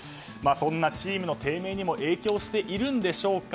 そんなチームの低迷にも影響しているのでしょうか